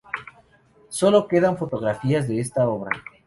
Solo quedan fotografías de esta obra.